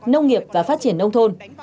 nông nghiệp và phát triển nông thôn